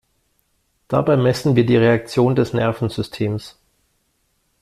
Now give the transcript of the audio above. Dabei messen wir die Reaktion des Nervensystems.